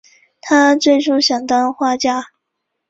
他最初想当画家。